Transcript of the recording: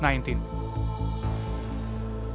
tim liputan cnn indonesia